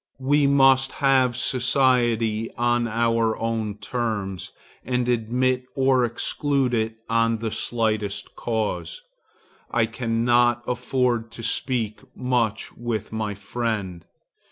We must have society on our own terms, and admit or exclude it on the slightest cause. I cannot afford to speak much with my friend.